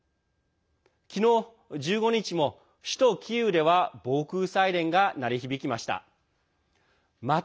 昨日１５日も首都キーウでは防空サイレンが鳴り響きました。